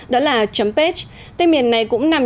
đó là chấm page tên miền này cũng nằm